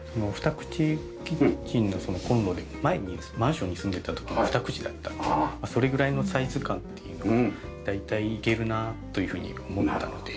２口キッチンのコンロで前にマンションに住んでた時も２口だったんでそれぐらいのサイズ感っていうのは大体いけるなあというふうに思ったので。